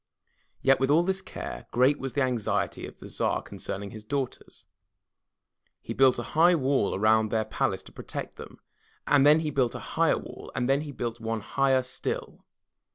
Yet with all this care, great was the anxiety of the Tsar con cerning his daughters. He built a high wall around their palace to protect them, and then he built a higher wall, and then he built one higher still.